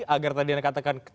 agar tadi anda katakan